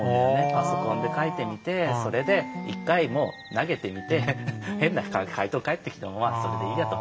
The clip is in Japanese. パソコンとかで書いてそれで１回投げてみて変な回答が返ってきてもそれでいいやと。